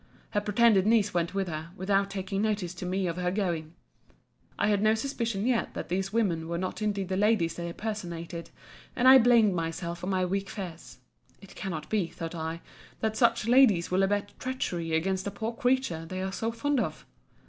Her pretended niece went with her, without taking notice to me of her going. I had no suspicion yet that these women were not indeed the ladies they personated; and I blamed myself for my weak fears.—It cannot be, thought I, that such ladies will abet treachery against a poor creature they are so fond of.